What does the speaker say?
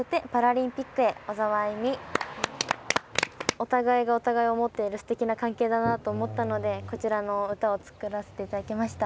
お互いがお互いを思っているすてきな関係だなと思ったのでこちらの歌を作らせて頂きました。